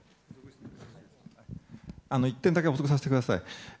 １点だけ補足させてください。